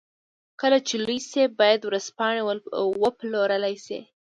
کله چې لوی شي بايد ورځپاڼې وپلورلای شي.